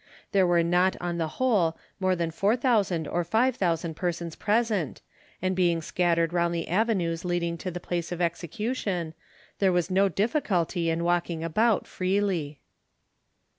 There were not on the whole more than 4,000 or 5,000 persons present, and being scattered round the avenues leading to the place of execution, there was no difficulty in walking about freely.